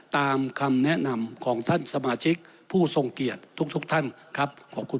ตามคำแนะนำของท่านสมาชิกผู้ทรงเกียจทุกท่านครับ